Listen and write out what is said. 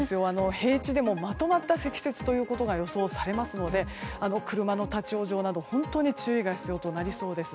平地でもまとまった積雪が予想されますので車の立ち往生など本当に注意が必要となりそうです。